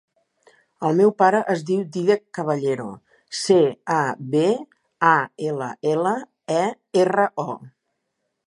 El meu pare es diu Dídac Caballero: ce, a, be, a, ela, ela, e, erra, o.